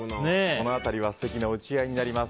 この辺りは打ち合いになります。